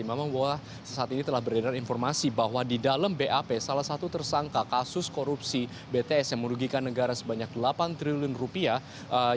memang bahwa saat ini telah beredar informasi bahwa di dalam bap salah satu tersangka kasus korupsi bts yang merugikan negara sebanyak delapan triliun rupiah